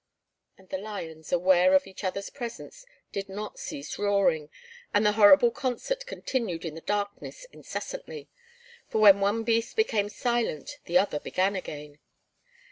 And the lions, aware of each other's presence, did not cease roaring, and the horrible concert continued in the darkness incessantly, for when one beast became silent the other began again.